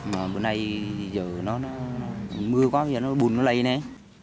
mà bữa nay bây giờ nó mưa quá bây giờ nó bùn nó lầy này